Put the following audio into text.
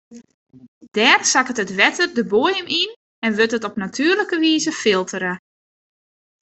Dêr sakket it wetter de boaiem yn en wurdt it op natuerlike wize filtere.